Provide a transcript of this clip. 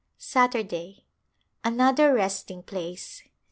Saturday, Another resting place.